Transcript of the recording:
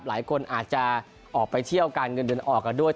หลายคนอาจจะออกไปเที่ยวการเงินเดือนออกกันด้วย